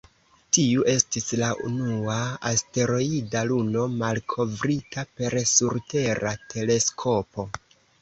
Tiu estis la unua asteroida luno malkovrita per surtera teleskopo.